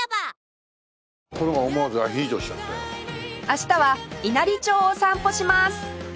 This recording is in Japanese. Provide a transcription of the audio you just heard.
明日は稲荷町を散歩します